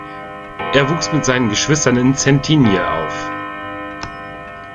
Er wuchs mit seinen Geschwistern in Cetinje auf.